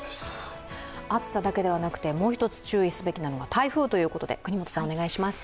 暑さだけではなくてもう一つ注意すべきなのが台風ということで、國本さん、お願いします。